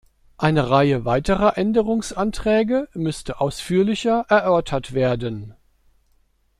Eine Reihe weiterer Änderungsanträge müsste ausführlicher erörtert werden.